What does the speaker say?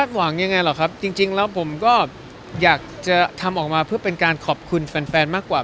หวังยังไงหรอครับจริงแล้วผมก็อยากจะทำออกมาเพื่อเป็นการขอบคุณแฟนแฟนมากกว่า